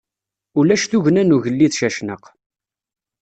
Ulac tugna n ugellid Cacnaq.